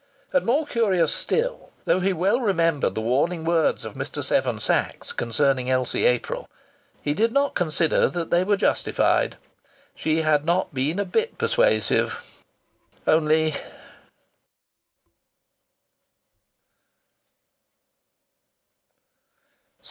And, more curious still, though he well remembered the warning words of Mr. Seven Sachs concerning Elsie April, he did not consider that they were justified.... She had not been a bit persuasive ... only....